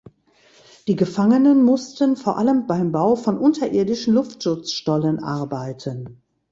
Die Gefangenen mussten vor allem beim Bau von unterirdischen Luftschutzstollen arbeiten.